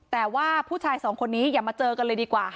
แต่ว่าผู้ชายสองคนนี้อย่ามาเจอกันเลยดีกว่า